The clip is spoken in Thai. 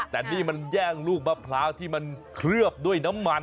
แต่นี่มันแย่งลูกมะพร้าวที่มันเคลือบด้วยน้ำมัน